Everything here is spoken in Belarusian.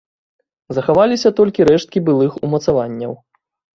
Захаваліся толькі рэшткі былых умацаванняў.